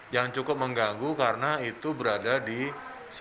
yang cukup mengganggu karena itu berada di sini